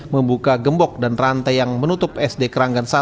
membuka gembok dan rantai yang menutup sd keranggan satu